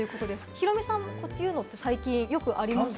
ヒロミさん、こういうのって最近よくありますか？